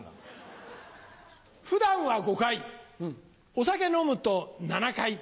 普段は５回お酒飲むと７回。